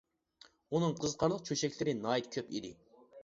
ئۇنىڭ قىزىقارلىق چۆچەكلىرى ناھايىتى كۆپ ئىدى.